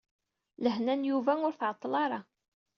Lehna n Yuba ur tɛeṭṭel ara.